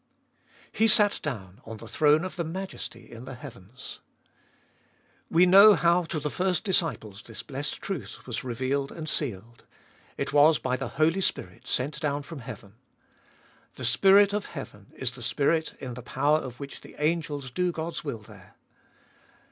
He sat down on the throne of the Majesty in the heavens. We know how to the first disciples this blessed truth was revealed and sealed — it was by the Holy Spirit sent down from heaven. The Spirit of heaven is the Spirit in the power of which the angels do God's will there.